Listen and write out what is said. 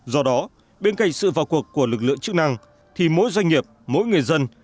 do đó bên cạnh sự vào cuộc của lực lượng chức năng thì mỗi doanh nghiệp mỗi người dân